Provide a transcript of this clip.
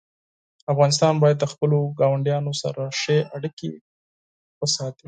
افغانستان باید د خپلو ګاونډیانو سره ښې اړیکې وساتي.